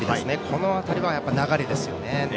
この辺りは流れですよね。